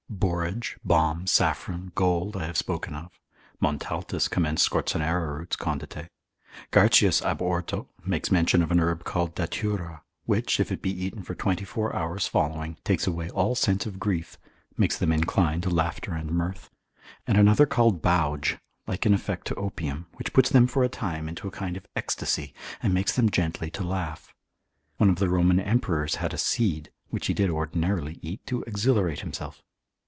Borage, balm, saffron, gold, I have spoken of; Montaltus, c. 23. commends scorzonera roots condite. Garcius ab Horto, plant. hist. lib. 2. cap. 25. makes mention of an herb called datura, which, if it be eaten for twenty four hours following, takes away all sense of grief, makes them incline to laughter and mirth: and another called bauge, like in effect to opium, which puts them for a time into a kind of ecstasy, and makes them gently to laugh. One of the Roman emperors had a seed, which he did ordinarily eat to exhilarate himself.